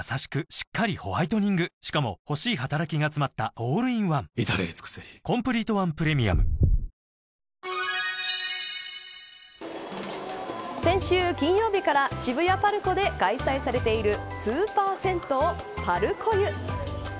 しっかりホワイトニングしかも欲しい働きがつまったオールインワン至れり尽せり先週金曜日から渋谷パルコで開催されているＳＵＰＥＲＳＥＮＴＯパルコ湯。